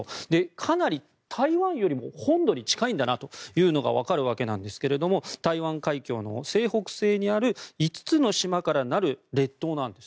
かなり台湾よりも本土に近いんだなというのがわかるわけなんですけれども台湾海峡の西北西にある５つの島からなる列島なんです。